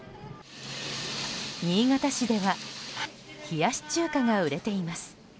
新潟市では冷やし中華が売れています。